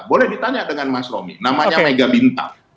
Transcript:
boleh ditanya dengan mas romy namanya mega bintang